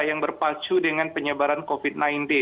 yang berpacu dengan penyebaran covid sembilan belas